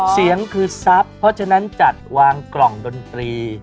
เสียงคือทรัพย์เพราะฉะนั้นจัดวางกล่องดนตรี